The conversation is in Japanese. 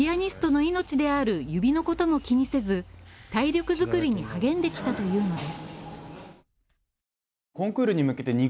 ピアニストの命である指のことも気にせず体力作りに励んできたというのです。